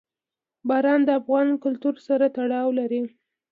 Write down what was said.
باران د افغان کلتور سره تړاو لري.